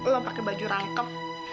lo pakai baju rangkep